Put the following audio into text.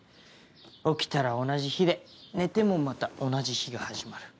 起きたら同じ日で寝てもまた同じ日が始まる。